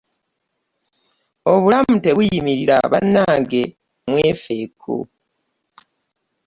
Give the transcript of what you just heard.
Obulamu tebuyimirira bannange mwefeeko.